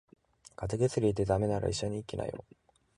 風邪薬で駄目なら医者に行きなよ。